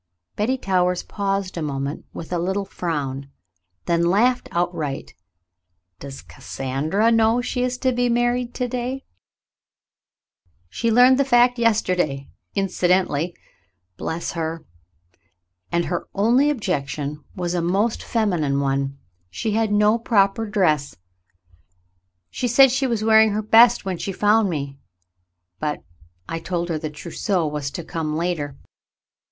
Betty Towers paused a moment with a little frown, then laughed outright. "Does Cassandra know she is to be married to day ^" "She learned the fact yesterday — incidentally — bless her ! and her only objection was a most feminine one. She had no propgr dress. She said she was wearing her best when she found me and — but — I told her the trousseau was to come later."